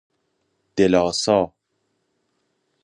دلاسا